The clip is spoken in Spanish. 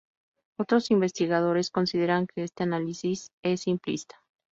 Otros investigadores consideran que este análisis es simplista.